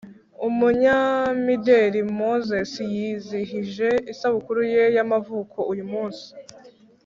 Umunyamideri moses yizihije isabukuru ye yamavuko uyumunsi